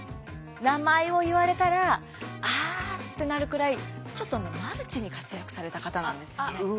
名前を言われたら「ああ」ってなるくらいちょっとねマルチに活躍された方なんですよね。